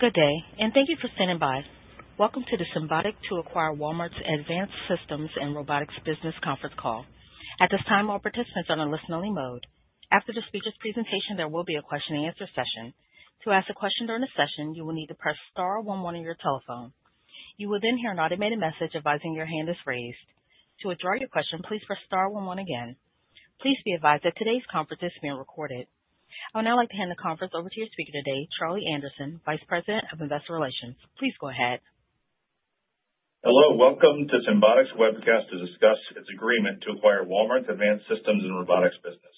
Good day, and thank you for standing by. Welcome to the Symbotic to Acquire Walmart's Advanced Systems and Robotics Business Conference Call. At this time, all participants are in listen-only mode. After the speaker's presentation, there will be a question-and-answer session. To ask a question during the session, you will need to press star 11 on your telephone. You will then hear an automated message advising your hand is raised. To withdraw your question, please press star 11 again. Please be advised that today's conference is being recorded. I would now like to hand the conference over to your speaker today, Charlie Anderson, Vice President of Investor Relations. Please go ahead. Hello. Welcome to Symbotic's webcast to discuss its agreement to acquire Walmart's Advanced Systems and Robotics Business.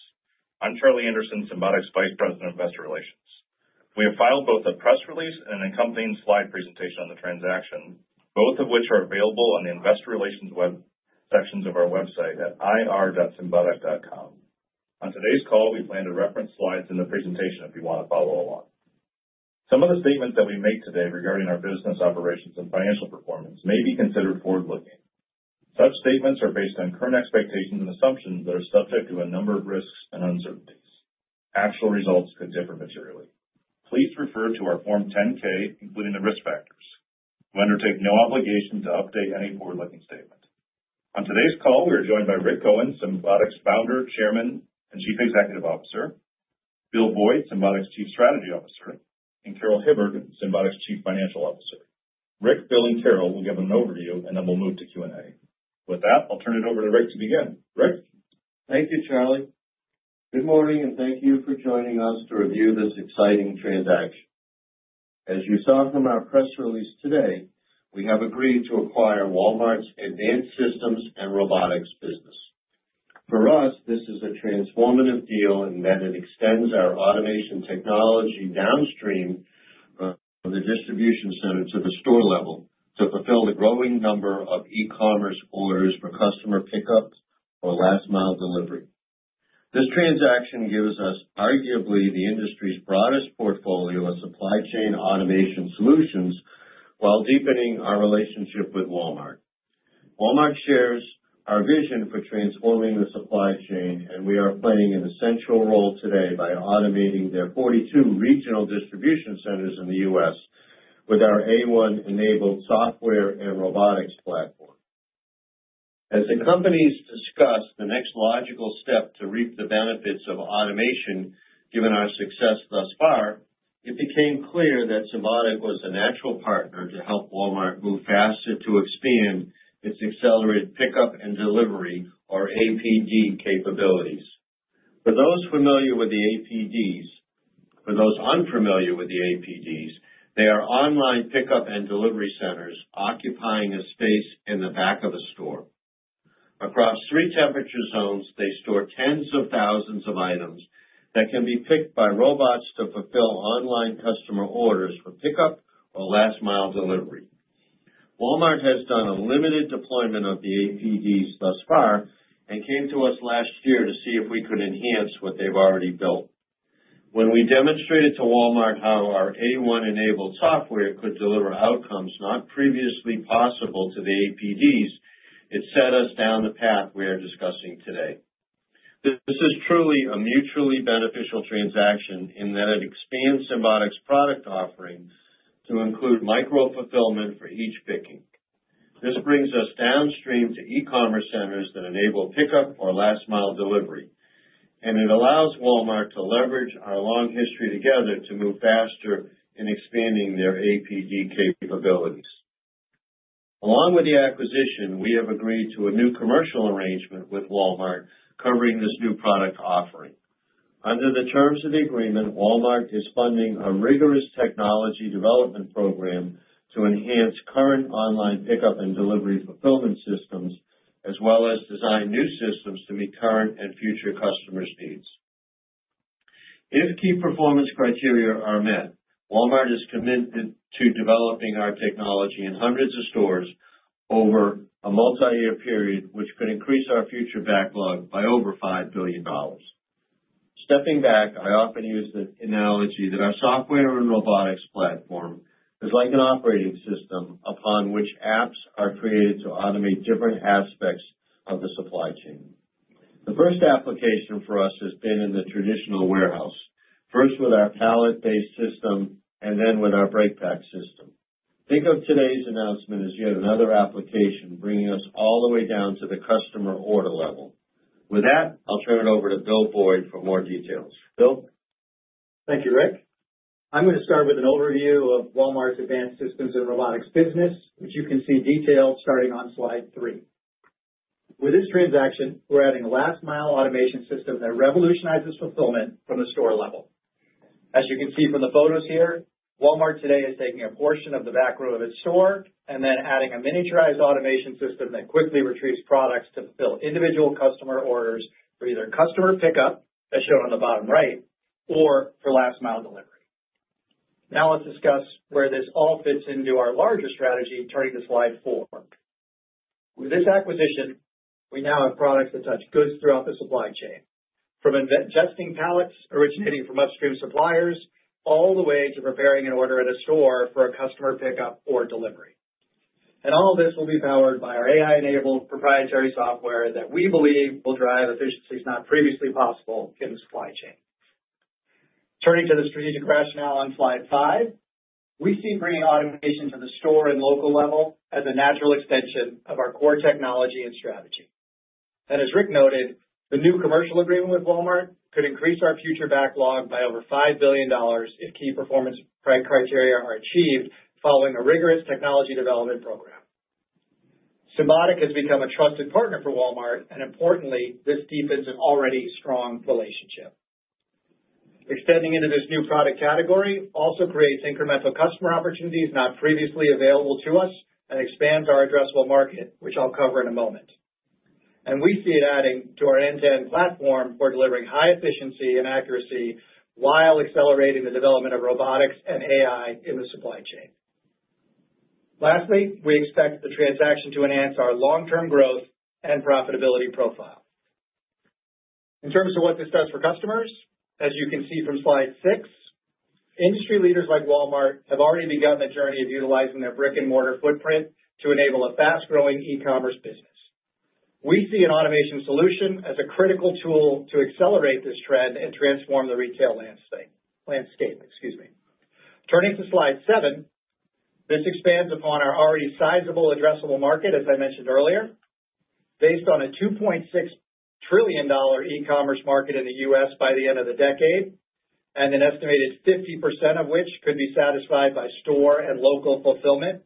I'm Charlie Anderson, Symbotic's Vice President of Investor Relations. We have filed both a press release and an accompanying slide presentation on the transaction, both of which are available on the Investor Relations web sections of our website at ir.symbotic.com. On today's call, we plan to reference slides in the presentation if you want to follow along. Some of the statements that we make today regarding our business operations and financial performance may be considered forward-looking. Such statements are based on current expectations and assumptions that are subject to a number of risks and uncertainties. Actual results could differ materially. Please refer to our Form 10-K, including the risk factors. We undertake no obligation to update any forward-looking statement. On today's call, we are joined by Rick Cohen, Symbotic's Founder, Chairman, and Chief Executive Officer, Bill Boyd, Symbotic's Chief Strategy Officer, and Carol Hibbard, Symbotic's Chief Financial Officer. Rick, Bill, and Carol will give an overview, and then we'll move to Q&A. With that, I'll turn it over to Rick to begin. Rick. Thank you, Charlie. Good morning, and thank you for joining us to review this exciting transaction. As you saw from our press release today, we have agreed to acquire Walmart's Advanced Systems and Robotics Business. For us, this is a transformative deal in that it extends our automation technology downstream from the distribution center to the store level to fulfill the growing number of e-commerce orders for customer pickup or last-mile delivery. This transaction gives us arguably the industry's broadest portfolio of supply chain automation solutions while deepening our relationship with Walmart. Walmart shares our vision for transforming the supply chain, and we are playing an essential role today by automating their 42 regional distribution centers in the U.S. with our AI-enabled software and robotics platform. As the companies discuss the next logical step to reap the benefits of automation given our success thus far, it became clear that Symbotic was a natural partner to help Walmart move faster to expand its accelerated pickup and delivery, or APD, capabilities. For those familiar with the APDs, for those unfamiliar with the APDs, they are online pickup and delivery centers occupying a space in the back of the store. Across three temperature zones, they store tens of thousands of items that can be picked by robots to fulfill online customer orders for pickup or last-mile delivery. Walmart has done a limited deployment of the APDs thus far and came to us last year to see if we could enhance what they've already built. When we demonstrated to Walmart how our AI-enabled software could deliver outcomes not previously possible to the APDs, it set us down the path we are discussing today. This is truly a mutually beneficial transaction in that it expands Symbotic's product offering to include micro-fulfillment for each picking. This brings us downstream to e-commerce centers that enable pickup or last-mile delivery, and it allows Walmart to leverage our long history together to move faster in expanding their APD capabilities. Along with the acquisition, we have agreed to a new commercial arrangement with Walmart covering this new product offering. Under the terms of the agreement, Walmart is funding a rigorous technology development program to enhance current online pickup and delivery fulfillment systems, as well as design new systems to meet current and future customers' needs. If key performance criteria are met, Walmart is committed to developing our technology in hundreds of stores over a multi-year period, which could increase our future backlog by over $5 billion. Stepping back, I often use the analogy that our software and robotics platform is like an operating system upon which apps are created to automate different aspects of the supply chain. The first application for us has been in the traditional warehouse, first with our pallet-based system and then with our breakpack system. Think of today's announcement as yet another application bringing us all the way down to the customer order level. With that, I'll turn it over to Bill Boyd for more details. Bill? Thank you, Rick. I'm going to start with an overview of Walmart's Advanced Systems and Robotics Business, which you can see detailed starting on slide three. With this transaction, we're adding a last-mile automation system that revolutionizes fulfillment from the store level. As you can see from the photos here, Walmart today is taking a portion of the backroom of its store and then adding a miniaturized automation system that quickly retrieves products to fulfill individual customer orders for either customer pickup, as shown on the bottom right, or for last-mile delivery. Now let's discuss where this all fits into our larger strategy, turning to slide four. With this acquisition, we now have products that touch goods throughout the supply chain, from adjusting pallets originating from upstream suppliers all the way to preparing an order at a store for a customer pickup or delivery. And all of this will be powered by our AI-enabled proprietary software that we believe will drive efficiencies not previously possible in the supply chain. Turning to the strategic rationale on slide five, we see bringing automation to the store and local level as a natural extension of our core technology and strategy. And as Rick noted, the new commercial agreement with Walmart could increase our future backlog by over $5 billion if key performance criteria are achieved following a rigorous technology development program. Symbotic has become a trusted partner for Walmart, and importantly, this deepens an already strong relationship. Extending into this new product category also creates incremental customer opportunities not previously available to us and expands our addressable market, which I'll cover in a moment. And we see it adding to our end-to-end platform for delivering high efficiency and accuracy while accelerating the development of robotics and AI in the supply chain. Lastly, we expect the transaction to enhance our long-term growth and profitability profile. In terms of what this does for customers, as you can see from slide six, industry leaders like Walmart have already begun the journey of utilizing their brick-and-mortar footprint to enable a fast-growing e-commerce business. We see an automation solution as a critical tool to accelerate this trend and transform the retail landscape. Turning to slide seven, this expands upon our already sizable addressable market, as I mentioned earlier, based on a $2.6 trillion e-commerce market in the U.S. by the end of the decade, and an estimated 50% of which could be satisfied by store and local fulfillment.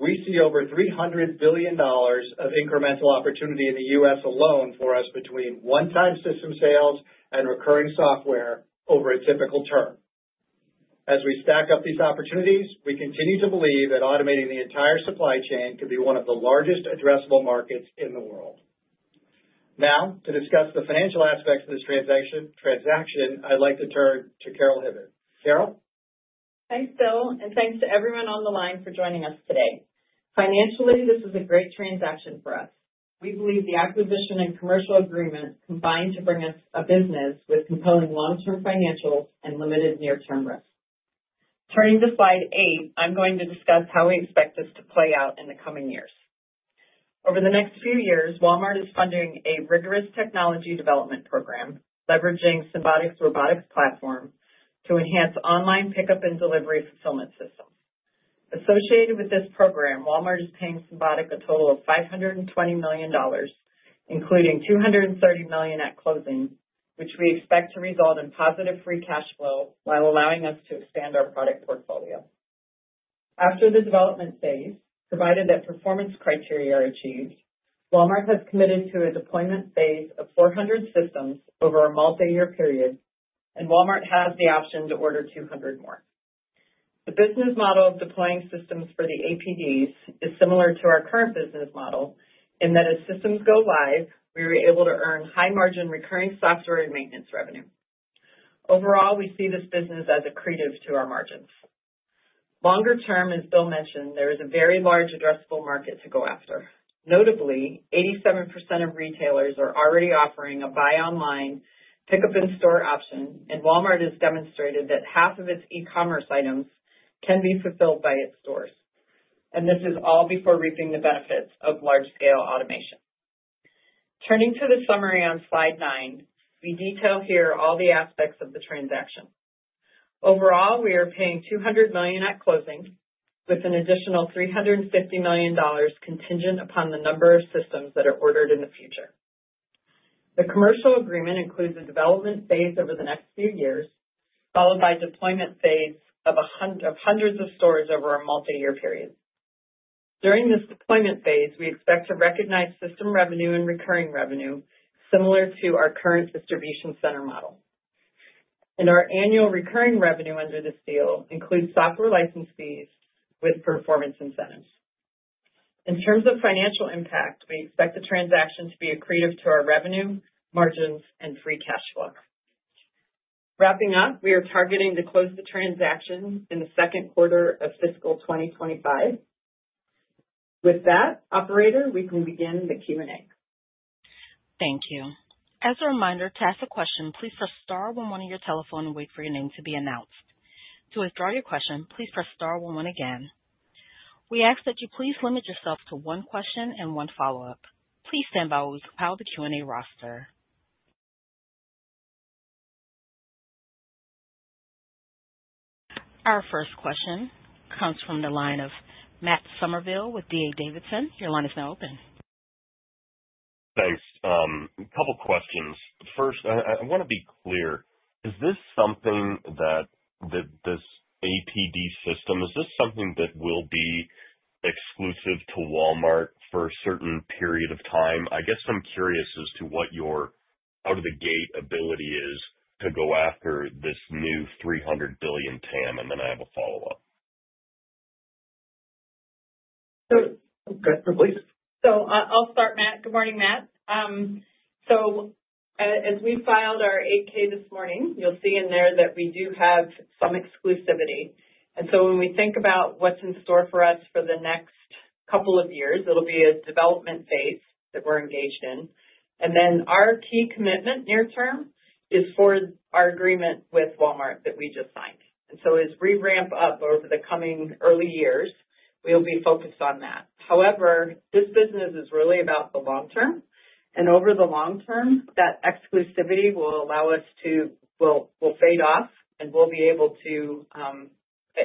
We see over $300 billion of incremental opportunity in the U.S. alone for us between one-time system sales and recurring software over a typical term. As we stack up these opportunities, we continue to believe that automating the entire supply chain could be one of the largest addressable markets in the world. Now, to discuss the financial aspects of this transaction, I'd like to turn to Carol Hibbard. Carol? Thanks, Bill, and thanks to everyone on the line for joining us today. Financially, this is a great transaction for us. We believe the acquisition and commercial agreement combine to bring us a business with compelling long-term financials and limited near-term risk. Turning to slide eight, I'm going to discuss how we expect this to play out in the coming years. Over the next few years, Walmart is funding a rigorous technology development program leveraging Symbotic's robotics platform to enhance online pickup and delivery fulfillment systems. Associated with this program, Walmart is paying Symbotic a total of $520 million, including $230 million at closing, which we expect to result in positive free cash flow while allowing us to expand our product portfolio. After the development phase, provided that performance criteria are achieved, Walmart has committed to a deployment phase of 400 systems over a multi-year period, and Walmart has the option to order 200 more. The business model of deploying systems for the APDs is similar to our current business model in that as systems go live, we were able to earn high-margin recurring software and maintenance revenue. Overall, we see this business as accretive to our margins. Longer term, as Bill mentioned, there is a very large addressable market to go after. Notably, 87% of retailers are already offering a buy-online pickup in store option, and Walmart has demonstrated that half of its e-commerce items can be fulfilled by its stores, and this is all before reaping the benefits of large-scale automation. Turning to the summary on slide nine, we detail here all the aspects of the transaction. Overall, we are paying $200 million at closing, with an additional $350 million contingent upon the number of systems that are ordered in the future. The commercial agreement includes a development phase over the next few years, followed by a deployment phase of hundreds of stores over a multi-year period. During this deployment phase, we expect to recognize system revenue and recurring revenue similar to our current distribution center model, and our annual recurring revenue under this deal includes software license fees with performance incentives. In terms of financial impact, we expect the transaction to be accretive to our revenue, margins, and free cash flow. Wrapping up, we are targeting to close the transaction in the second quarter of fiscal 2025. With that, Operator, we can begin the Q&A. Thank you. As a reminder, to ask a question, please press star 11 on your telephone and wait for your name to be announced. To withdraw your question, please press star 11 again. We ask that you please limit yourself to one question and one follow-up. Please stand by while we compile the Q&A roster. Our first question comes from the line of Matt Somerville with D.A. Davidson. Your line is now open. Thanks. A couple of questions. First, I want to be clear. Is this something that this APD system, is this something that will be exclusive to Walmart for a certain period of time? I guess I'm curious as to what your out-of-the-gate ability is to go after this new $300 billion TAM, and then I have a follow-up. So I'll start, Matt. Good morning, Matt. So as we filed our 8-K this morning, you'll see in there that we do have some exclusivity. And so when we think about what's in store for us for the next couple of years, it'll be a development phase that we're engaged in. And then our key commitment near-term is for our agreement with Walmart that we just signed. And so as we ramp up over the coming early years, we'll be focused on that. However, this business is really about the long term. And over the long term, that exclusivity will allow us to phase out, and we'll be able to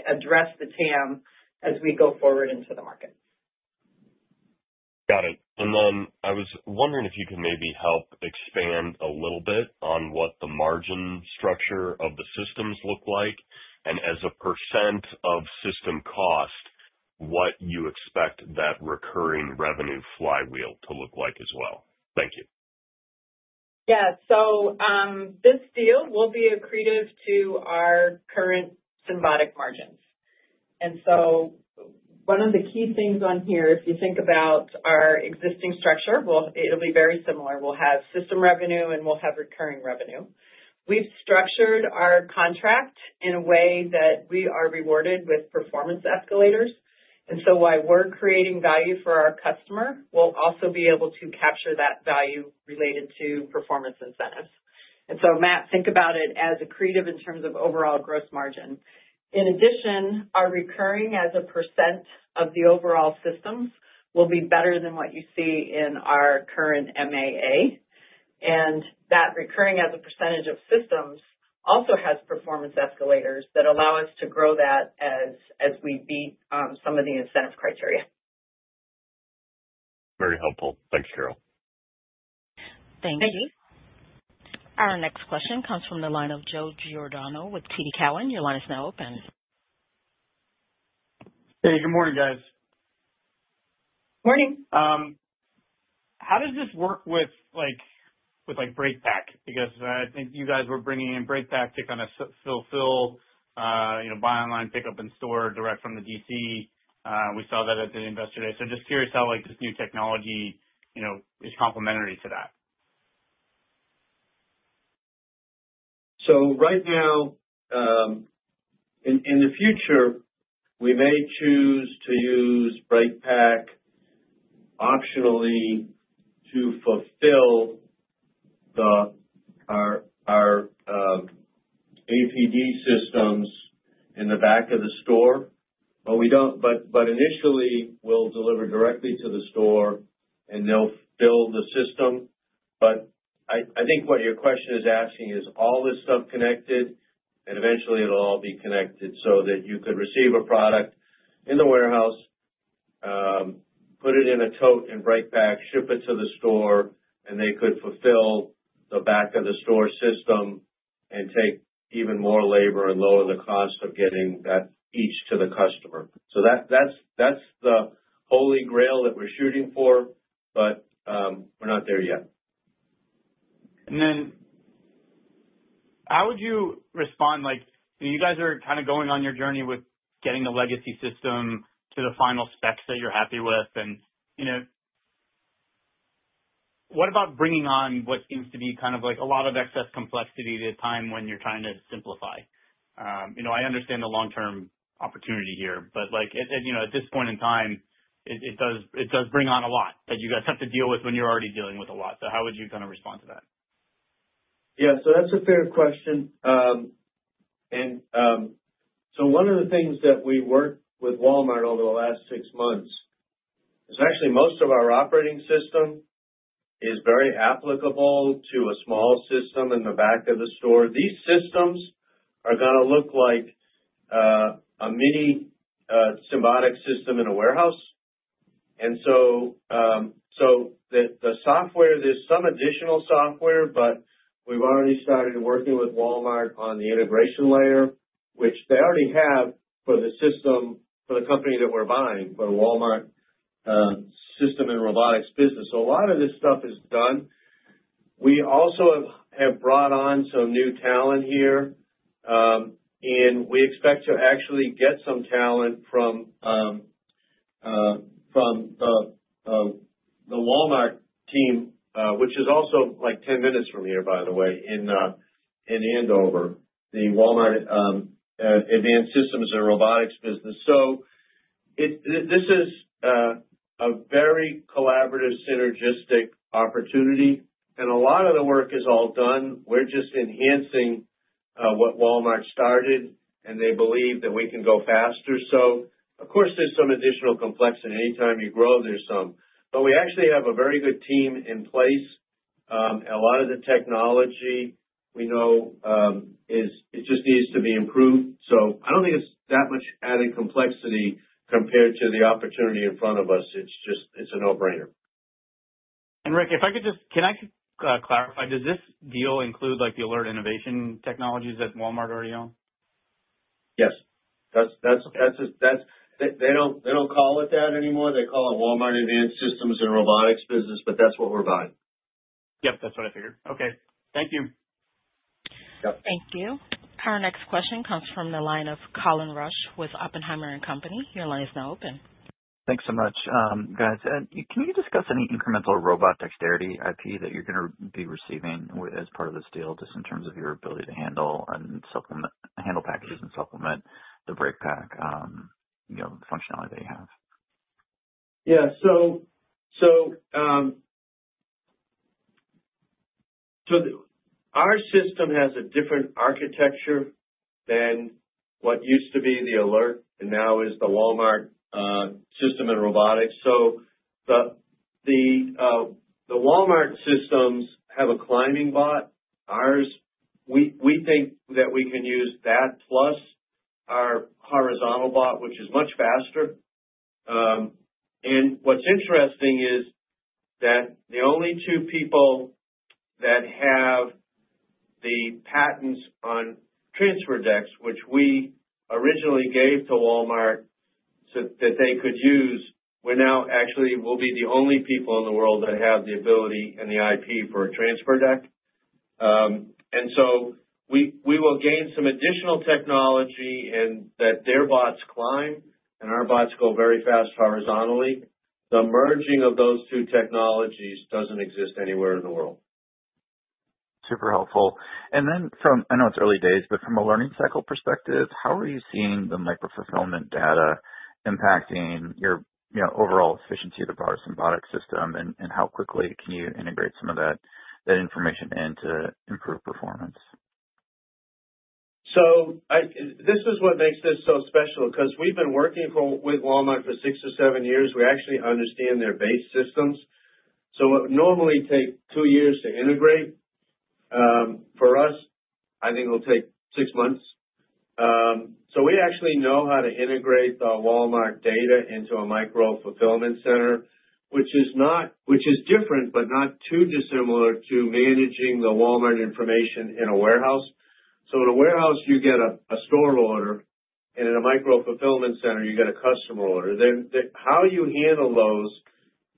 address the TAM as we go forward into the market. Got it. And then I was wondering if you could maybe help expand a little bit on what the margin structure of the systems look like? And as a % of system cost, what you expect that recurring revenue flywheel to look like as well? Thank you. Yeah. So this deal will be accretive to our current Symbotic margins. And so one of the key things on here, if you think about our existing structure, well, it'll be very similar. We'll have system revenue, and we'll have recurring revenue. We've structured our contract in a way that we are rewarded with performance escalators. And so while we're creating value for our customer, we'll also be able to capture that value related to performance incentives. And so, Matt, think about it as accretive in terms of overall gross margin. In addition, our recurring as a % of the overall systems will be better than what you see in our current MAA. And that recurring as a % of systems also has performance escalators that allow us to grow that as we beat some of the incentive criteria. Very helpful. Thanks, Carol. Thank you. Our next question comes from the line of Joe Giordano with TD Cowen. Your line is now open. Hey, good morning, guys. Morning. How does this work with breakpack? Because I think you guys were bringing in breakpack to kind of fulfill buy-online pickup in store direct from the DC. We saw that at the investor day. So just curious how this new technology is complementary to that. So right now, in the future, we may choose to use breakpack optionally to fulfill our APD systems in the back of the store. But initially, we'll deliver directly to the store, and they'll build the system. But I think what your question is asking is all this stuff connected, and eventually, it'll all be connected so that you could receive a product in the warehouse, put it in a tote and breakpack, ship it to the store, and they could fulfill the back of the store system and take even more labor and lower the cost of getting that each to the customer. So that's the holy grail that we're shooting for, but we're not there yet. And then how would you respond? You guys are kind of going on your journey with getting the legacy system to the final specs that you're happy with. And what about bringing on what seems to be kind of a lot of excess complexity at a time when you're trying to simplify? I understand the long-term opportunity here, but at this point in time, it does bring on a lot that you guys have to deal with when you're already dealing with a lot. So how would you kind of respond to that? Yeah. So that's a fair question. And so one of the things that we worked with Walmart over the last six months is actually most of our operating system is very applicable to a small system in the back of the store. These systems are going to look like a mini Symbotic system in a warehouse. And so the software, there's some additional software, but we've already started working with Walmart on the integration layer, which they already have for the system for the company that we're buying, for the Walmart Advanced Systems and Robotics Business. So a lot of this stuff is done. We also have brought on some new talent here, and we expect to actually get some talent from the Walmart team, which is also like 10 minutes from here, by the way, in Andover, the Walmart Advanced Systems and Robotics Business. So this is a very collaborative, synergistic opportunity. And a lot of the work is all done. We're just enhancing what Walmart started, and they believe that we can go faster. So of course, there's some additional complexity. Anytime you grow, there's some. But we actually have a very good team in place. A lot of the technology we know just needs to be improved. So I don't think it's that much added complexity compared to the opportunity in front of us. It's a no-brainer. Rick, if I could just can I clarify? Does this deal include the Alert Innovation technologies that Walmart already owns? Yes. They don't call it that anymore. They call it Walmart Advanced Systems and Robotics Business, but that's what we're buying. Yep. That's what I figured. Okay. Thank you. Yep. Thank you. Our next question comes from the line of Colin Rusch with Oppenheimer & Company. Your line is now open. Thanks so much, guys. Can you discuss any incremental robot dexterity IP that you're going to be receiving as part of this deal, just in terms of your ability to handle packages and supplement the breakpack functionality that you have? Yeah. So our system has a different architecture than what used to be the Alert, and now is the Walmart system and robotics. So the Walmart systems have a climbing bot. We think that we can use that plus our horizontal bot, which is much faster. And what's interesting is that the only two people that have the patents on transfer decks, which we originally gave to Walmart so that they could use, we now actually will be the only people in the world that have the ability and the IP for a transfer deck. And so we will gain some additional technology and that their bots climb and our bots go very fast horizontally. The merging of those two technologies doesn't exist anywhere in the world. Super helpful. And then from, I know it's early days, but from a learning cycle perspective, how are you seeing the micro-fulfillment data impacting your overall efficiency of the broader Symbotic system? And how quickly can you integrate some of that information into improve performance? So this is what makes this so special. Because we've been working with Walmart for six or seven years, we actually understand their base systems. So it would normally take two years to integrate. For us, I think it'll take six months. So we actually know how to integrate the Walmart data into a micro-fulfillment center, which is different, but not too dissimilar to managing the Walmart information in a warehouse. So in a warehouse, you get a store order, and in a micro-fulfillment center, you get a customer order. How you handle those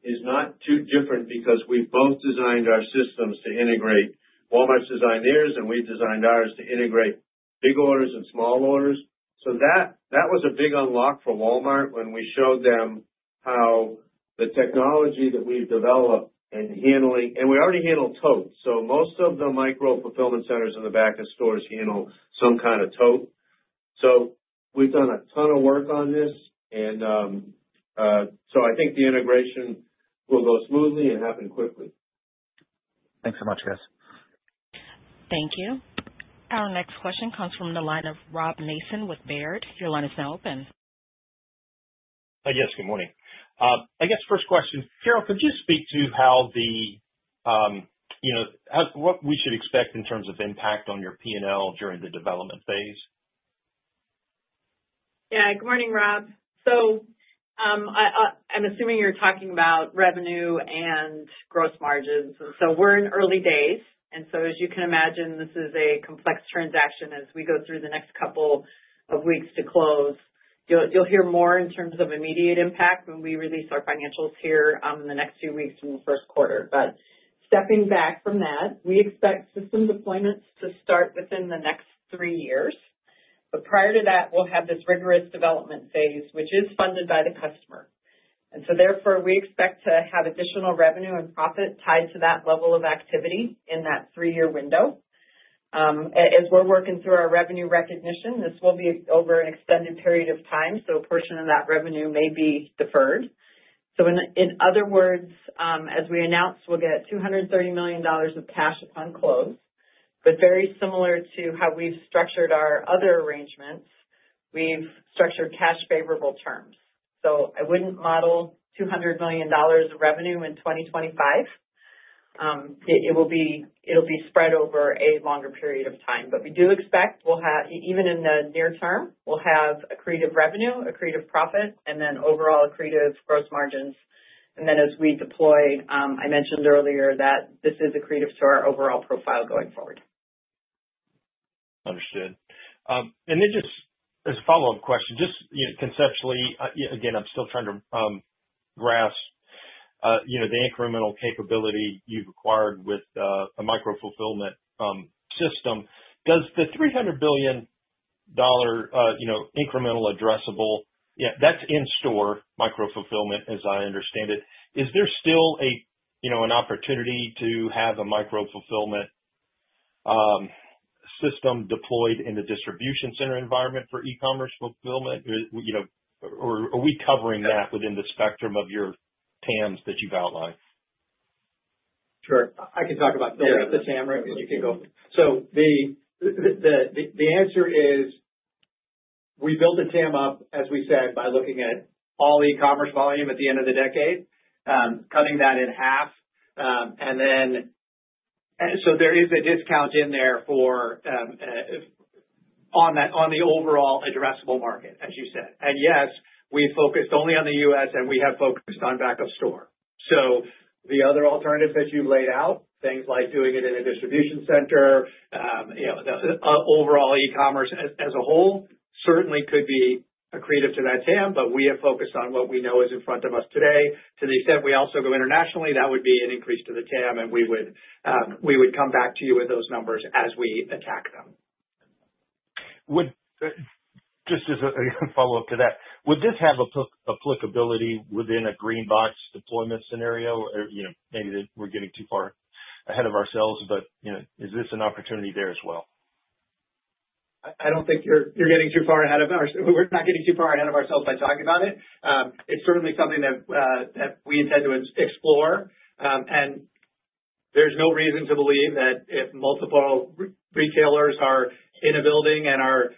is not too different because we both designed our systems to integrate. Walmart's designed theirs, and we've designed ours to integrate big orders and small orders. So that was a big unlock for Walmart when we showed them how the technology that we've developed and handling, and we already handle totes. So most of the micro-fulfillment centers in the back of stores handle some kind of tote. So we've done a ton of work on this. And so I think the integration will go smoothly and happen quickly. Thanks so much, guys. Thank you. Our next question comes from the line of Rob Mason with Baird. Your line is now open. Yes. Good morning. I guess first question, Carol, could you speak to how what we should expect in terms of impact on your P&L during the development phase? Yeah. Good morning, Rob. So I'm assuming you're talking about revenue and gross margins. And so we're in early days. And so as you can imagine, this is a complex transaction. As we go through the next couple of weeks to close, you'll hear more in terms of immediate impact when we release our financials here in the next few weeks in the first quarter. But stepping back from that, we expect system deployments to start within the next three years. But prior to that, we'll have this rigorous development phase, which is funded by the customer. And so therefore, we expect to have additional revenue and profit tied to that level of activity in that three-year window. As we're working through our revenue recognition, this will be over an extended period of time. So a portion of that revenue may be deferred. So in other words, as we announced, we'll get $230 million of cash upon close. But very similar to how we've structured our other arrangements, we've structured cash-favorable terms. So I wouldn't model $200 million of revenue in 2025. It will be spread over a longer period of time. But we do expect, even in the near term, we'll have accretive revenue, accretive profit, and then overall accretive gross margins. And then as we deploy, I mentioned earlier that this is accretive to our overall profile going forward. Understood. And then just as a follow-up question, just conceptually, again, I'm still trying to grasp the incremental capability you've acquired with the micro-fulfillment system. Does the $300 billion incremental addressable, that's in-store micro-fulfillment, as I understand it, is there still an opportunity to have a micro-fulfillment system deployed in the distribution center environment for e-commerce fulfillment? Or are we covering that within the spectrum of your TAMs that you've outlined? Sure. I can talk about building up the TAM, Rob as you can go, so the answer is we built the TAM up, as we said, by looking at all e-commerce volume at the end of the decade, cutting that in half, and then so there is a discount in there on the overall addressable market, as you said, and yes, we focused only on the U.S., and we have focused on back of store, so the other alternatives that you've laid out, things like doing it in a distribution center, overall e-commerce as a whole, certainly could be accretive to that TAM, but we have focused on what we know is in front of us today. To the extent we also go internationally, that would be an increase to the TAM, and we would come back to you with those numbers as we attack them. Just as a follow-up to that, would this have applicability within a GreenBox deployment scenario? Maybe we're getting too far ahead of ourselves, but is this an opportunity there as well? I don't think you're getting too far ahead of ourselves. We're not getting too far ahead of ourselves by talking about it. It's certainly something that we intend to explore. And there's no reason to believe that if multiple retailers are in a building and are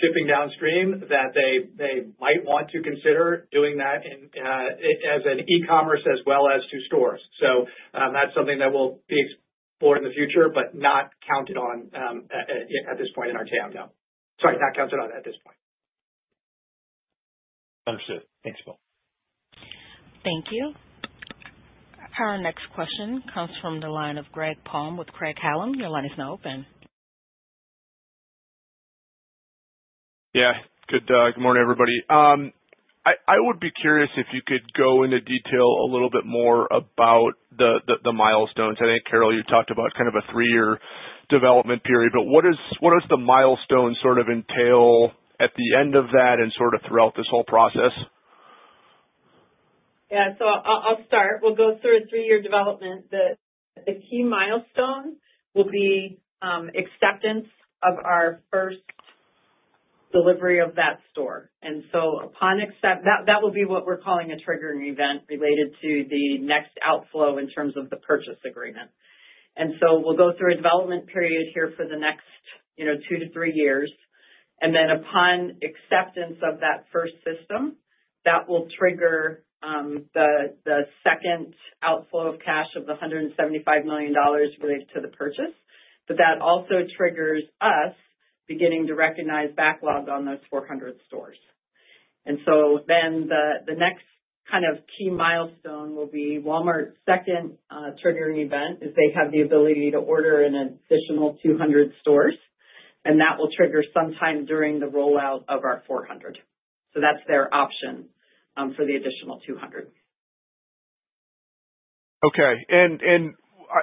shipping downstream, that they might want to consider doing that as an e-commerce as well as to stores. So that's something that will be explored in the future, but not counted on at this point in our TAM, no. Sorry, not counted on at this point. Understood. Thanks, Bill. Thank you. Our next question comes from the line of Greg Palm with Craig-Hallum. Your line is now open. Yeah. Good morning, everybody. I would be curious if you could go into detail a little bit more about the milestones. I think, Carol, you talked about kind of a three-year development period. But what does the milestone sort of entail at the end of that and sort of throughout this whole process? Yeah. So I'll start. We'll go through a three-year development. The key milestone will be acceptance of our first delivery of that store. And so upon acceptance, that will be what we're calling a triggering event related to the next outflow in terms of the purchase agreement. And so we'll go through a development period here for the next two to three years. And then upon acceptance of that first system, that will trigger the second outflow of cash of the $175 million related to the purchase. But that also triggers us beginning to recognize backlog on those 400 stores. And so then the next kind of key milestone will be Walmart's second triggering event is they have the ability to order in an additional 200 stores. And that will trigger sometime during the rollout of our 400. So that's their option for the additional 200. Okay. And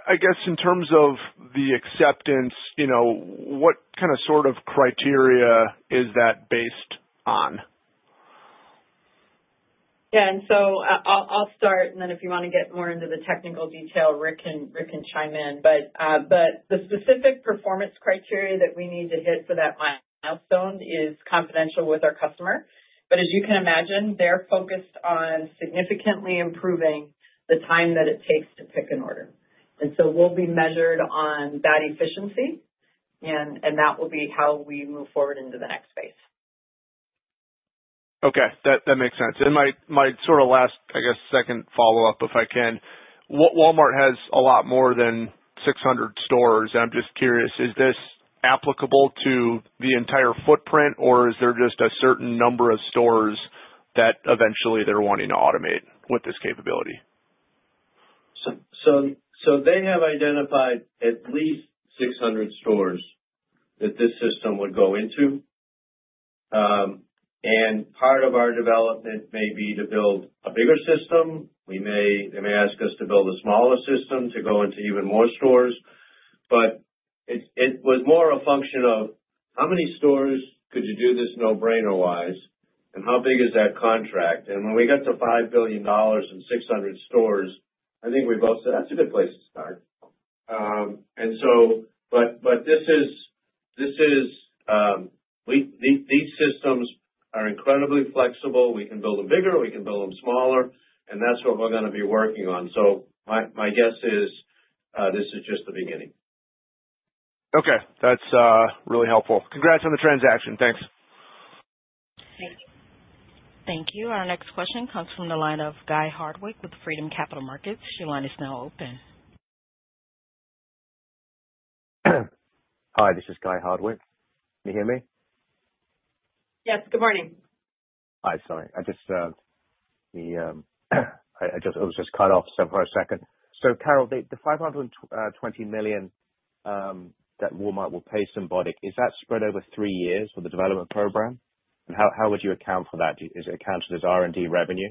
I guess in terms of the acceptance, what kind of sort of criteria is that based on? Yeah. And so I'll start. And then if you want to get more into the technical detail, Rick can chime in. But the specific performance criteria that we need to hit for that milestone is confidential with our customer. But as you can imagine, they're focused on significantly improving the time that it takes to pick an order. And so we'll be measured on that efficiency. And that will be how we move forward into the next phase. Okay. That makes sense. And my sort of last, I guess, second follow-up, if I can. Walmart has a lot more than 600 stores. And I'm just curious, is this applicable to the entire footprint, or is there just a certain number of stores that eventually they're wanting to automate with this capability? So they have identified at least 600 stores that this system would go into. And part of our development may be to build a bigger system. They may ask us to build a smaller system to go into even more stores. But it was more a function of how many stores could you do this no-brainer-wise, and how big is that contract? And when we got to $5 billion and 600 stores, I think we both said, "That's a good place to start." But these systems are incredibly flexible. We can build them bigger. We can build them smaller. And that's what we're going to be working on. So my guess is this is just the beginning. Okay. That's really helpful. Congrats on the transaction. Thanks. Thank you. Our next question comes from the line of Guy Hardwick with Freedom Capital Markets. Your line is now open. Hi. This is Guy Hardwick. Can you hear me? Yes. Good morning. Hi. Sorry. I was just cut off for a second. So Carol, the $520 million that Walmart will pay Symbotic, is that spread over three years for the development program? And how would you account for that? Is it accounted as R&D revenue?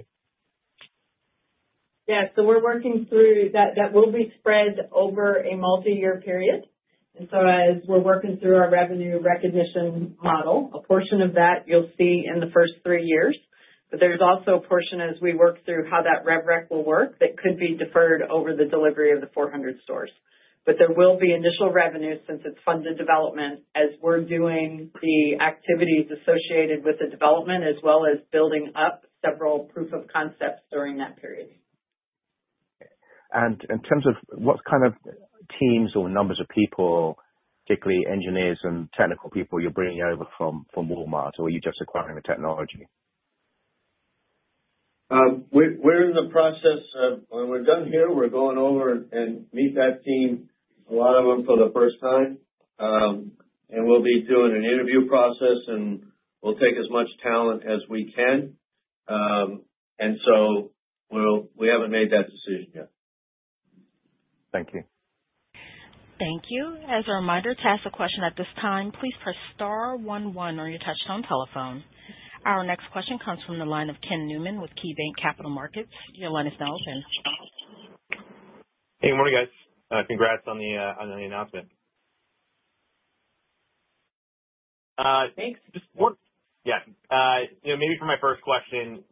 Yeah, so we're working through that will be spread over a multi-year period, and so as we're working through our revenue recognition model, a portion of that you'll see in the first three years, but there's also a portion as we work through how that rev rec will work that could be deferred over the delivery of the 400 stores, but there will be initial revenue since it's funded development as we're doing the activities associated with the development as well as building up several proof of concepts during that period. In terms of what kind of teams or numbers of people, particularly engineers and technical people, you're bringing over from Walmart, or are you just acquiring the technology? We're in the process of when we're done here, we're going over and meet that team, a lot of them for the first time. And we'll be doing an interview process, and we'll take as much talent as we can. And so we haven't made that decision yet. Thank you. Thank you. As a reminder to ask a question at this time, please press star 11 on your touch-tone telephone. Our next question comes from the line of Ken Newman with KeyBanc Capital Markets. Your line is now open. Hey. Good morning, guys. Congrats on the announcement. Thanks. Just one. Yeah. Maybe for my first question,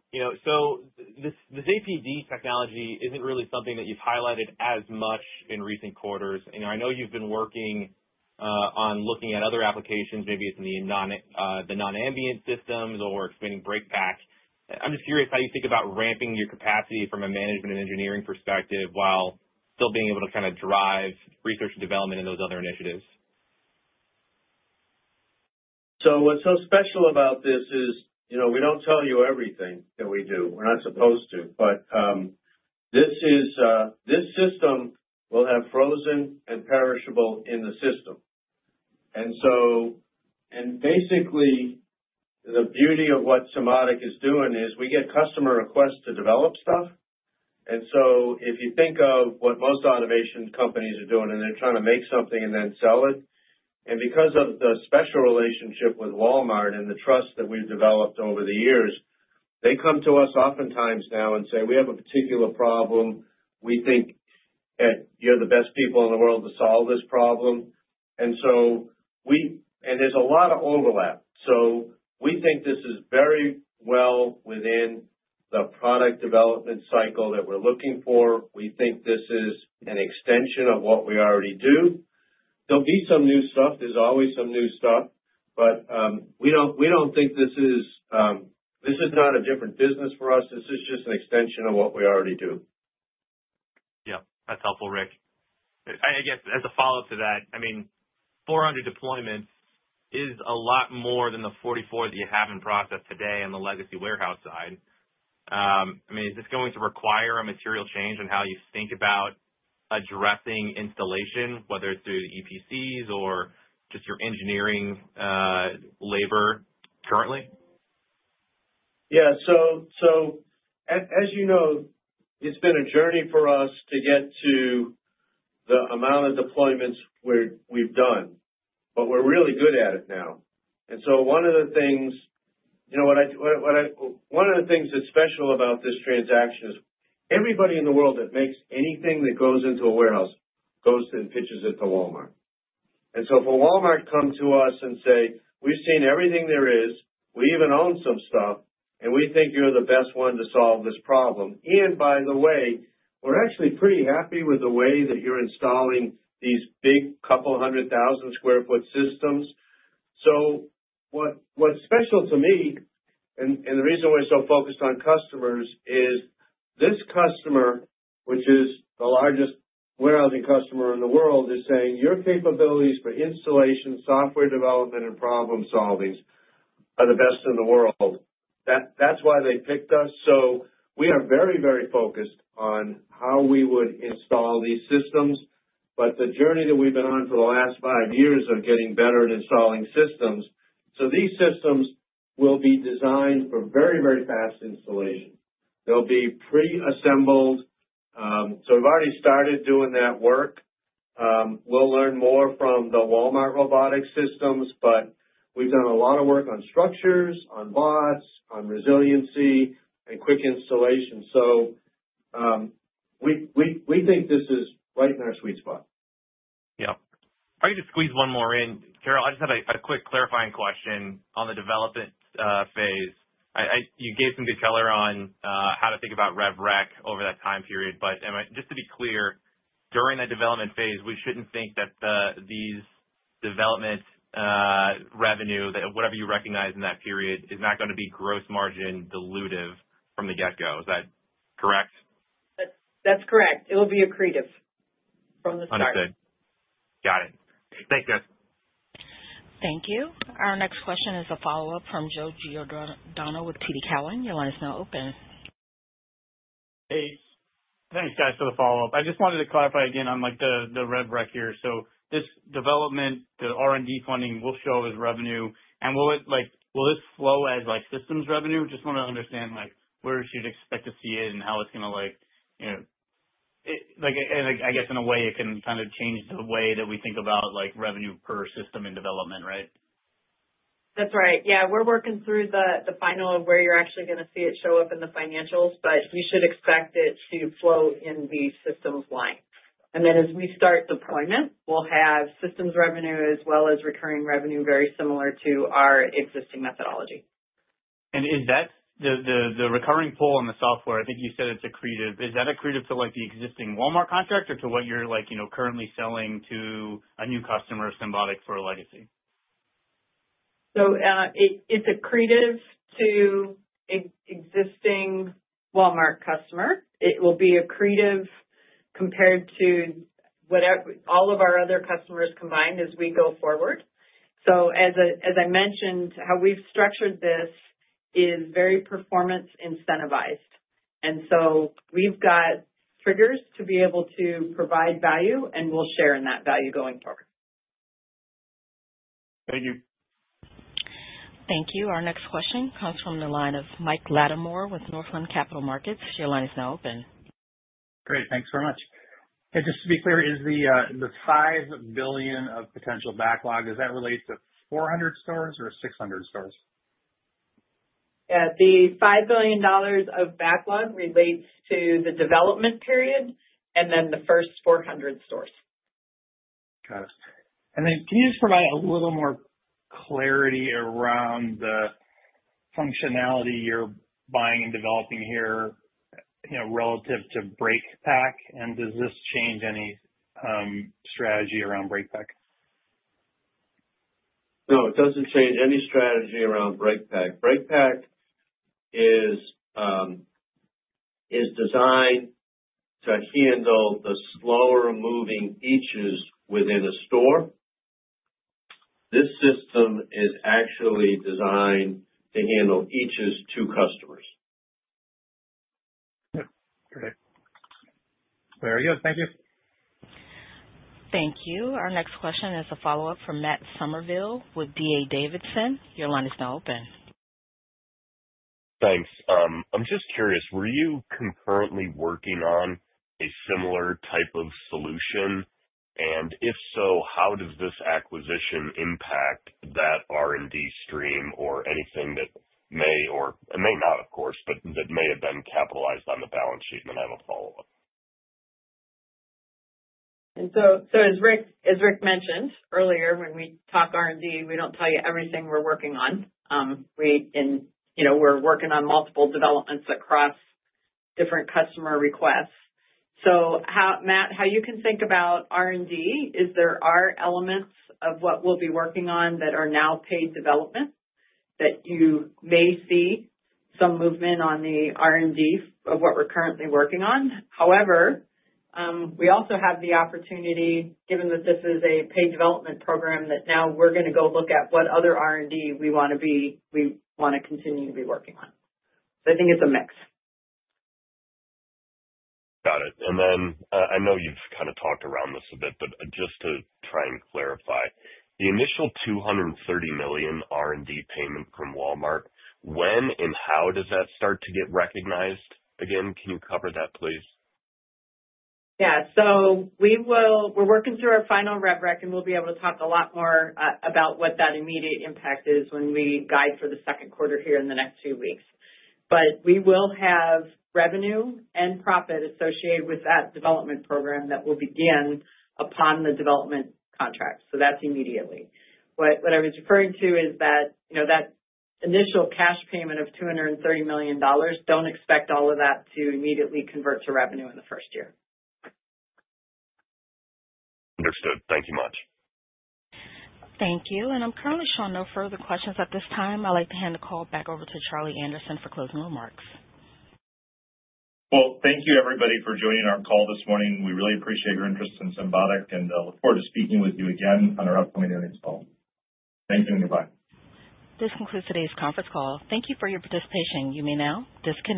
so this APD technology isn't really something that you've highlighted as much in recent quarters. I know you've been working on looking at other applications. Maybe it's in the non-ambient systems or expanding breakpack. I'm just curious how you think about ramping your capacity from a management and engineering perspective while still being able to kind of drive research and development in those other initiatives? So what's so special about this is we don't tell you everything that we do. We're not supposed to. But this system will have frozen and perishable in the system. And basically, the beauty of what Symbotic is doing is we get customer requests to develop stuff. And so if you think of what most automation companies are doing, and they're trying to make something and then sell it. And because of the special relationship with Walmart and the trust that we've developed over the years, they come to us oftentimes now and say, "We have a particular problem. We think you're the best people in the world to solve this problem." And there's a lot of overlap. So we think this is very well within the product development cycle that we're looking for. We think this is an extension of what we already do. There'll be some new stuff. There's always some new stuff. But we don't think this is not a different business for us. This is just an extension of what we already do. Yeah. That's helpful, Rick. I guess as a follow-up to that, I mean, 400 deployments is a lot more than the 44 that you have in process today on the legacy warehouse side. I mean, is this going to require a material change in how you think about addressing installation, whether it's through the EPCs or just your engineering labor currently? Yeah. So as you know, it's been a journey for us to get to the amount of deployments we've done. But we're really good at it now. And so one of the things that's special about this transaction is everybody in the world that makes anything that goes into a warehouse goes and pitches it to Walmart. And so if a Walmart comes to us and says, "We've seen everything there is. We even own some stuff. And we think you're the best one to solve this problem." And by the way, we're actually pretty happy with the way that you're installing these big couple hundred thousand sq ft systems. So what's special to me, and the reason we're so focused on customers, is this customer, which is the largest warehousing customer in the world, is saying, "Your capabilities for installation, software development, and problem-solving are the best in the world." That's why they picked us. So we are very, very focused on how we would install these systems. But the journey that we've been on for the last five years of getting better at installing systems, so these systems will be designed for very, very fast installation. They'll be pre-assembled. So we've already started doing that work. We'll learn more from the Walmart robotic systems. But we've done a lot of work on structures, on bots, on resiliency, and quick installation. So we think this is right in our sweet spot. Yeah. I can just squeeze one more in. Carol, I just had a quick clarifying question on the development phase. You gave some good color on how to think about rev rec over that time period. But, just to be clear, during that development phase, we shouldn't think that these development revenue, whatever you recognize in that period, is not going to be gross margin dilutive from the get-go. Is that correct? That's correct. It will be accretive from the start. Understood. Got it. Thanks, guys. Thank you. Our next question is a follow-up from Joe Giordano with TD Cowen. Your line is now open. Hey. Thanks, guys, for the follow-up. I just wanted to clarify again on the rev rec here. So this development, the R&D funding, will show as revenue. And will this flow as systems revenue? Just want to understand where you'd expect to see it and how it's going to, and I guess in a way, it can kind of change the way that we think about revenue per system in development, right? That's right. Yeah. We're working through the final details of where you're actually going to see it show up in the financials. But we should expect it to flow in the systems line. And then as we start deployment, we'll have systems revenue as well as recurring revenue very similar to our existing methodology. And the recurring pull on the software, I think you said it's accretive. Is that accretive to the existing Walmart contract or to what you're currently selling to a new customer of Symbotic for legacy? So it's accretive to existing Walmart customer. It will be accretive compared to all of our other customers combined as we go forward. So as I mentioned, how we've structured this is very performance incentivized. And so we've got triggers to be able to provide value, and we'll share in that value going forward. Thank you. Thank you. Our next question comes from the line of Mike Latimore with Northland Capital Markets. Your line is now open. Great. Thanks very much. And just to be clear, is the $5 billion of potential backlog, does that relate to 400 stores or 600 stores? Yeah. The $5 billion of backlog relates to the development period and then the first 400 stores. Got it. And then can you just provide a little more clarity around the functionality you're buying and developing here relative to breakpack? And does this change any strategy around breakpack? No. It doesn't change any strategy around breakpack. breakpack is designed to handle the slower-moving eaches within a store. This system is actually designed to handle eaches to customers. Very good. Thank you. Thank you. Our next question is a follow-up from Matt Somerville with D.A. Davidson. Your line is now open. Thanks. I'm just curious, were you concurrently working on a similar type of solution? And if so, how does this acquisition impact that R&D stream or anything that may, or it may not, of course, but that may have been capitalized on the balance sheet? And I have a follow-up. As Rick mentioned earlier, when we talk R&D, we don't tell you everything we're working on. We're working on multiple developments across different customer requests. Matt, how you can think about R&D is there are elements of what we'll be working on that are now paid development that you may see some movement on the R&D of what we're currently working on. However, we also have the opportunity, given that this is a paid development program, that now we're going to go look at what other R&D we want to continue to be working on. I think it's a mix. Got it. And then I know you've kind of talked around this a bit, but just to try and clarify, the initial $230 million R&D payment from Walmart, when and how does that start to get recognized? Again, can you cover that, please? Yeah, so we're working through our final rev rec, and we'll be able to talk a lot more about what that immediate impact is when we guide for the second quarter here in the next few weeks, but we will have revenue and profit associated with that development program that will begin upon the development contract, so that's immediately. What I was referring to is that initial cash payment of $230 million. Don't expect all of that to immediately convert to revenue in the first year. Understood. Thank you much. Thank you. And I'm currently showing no further questions at this time. I'd like to hand the call back over to Charlie Anderson for closing remarks. Thank you, everybody, for joining our call this morning. We really appreciate your interest in Symbotic, and I look forward to speaking with you again on our upcoming events call. Thank you. Goodbye. This concludes today's conference call. Thank you for your participation. You may now disconnect.